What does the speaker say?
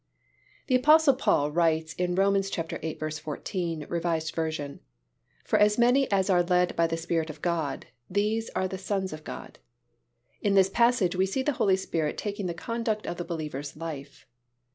The Apostle Paul writes in Rom. viii. 14, R. V., "For as many as are led by the Spirit of God, these are the sons of God." In this passage we see the Holy Spirit taking the conduct of the believer's life.